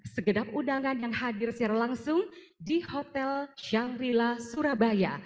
segedap undangan yang hadir secara langsung di hotel shangrila surabaya